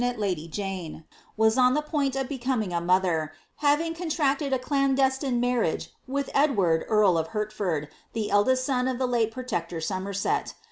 ile lady Jane, was on the pnini of becoming a mmher. having coiiIracleiJ a clainlL' itiiic niarri.iiJp with Kdiv.'inJ i jrl of Hertford, the eldest son of the late protector Somerset.